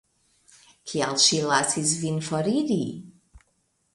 Kaj ŝi lasis vin foriri?